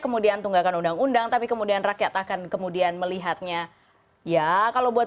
kemudian tunggakan undang undang tapi kemudian rakyat akan kemudian melihatnya ya kalau buat